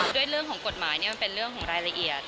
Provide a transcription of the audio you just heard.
เรื่องของกฎหมายมันเป็นเรื่องของรายละเอียด